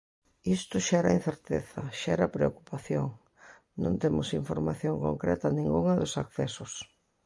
Isto xera incerteza, xera preocupación, non temos información concreta ningunha dos accesos.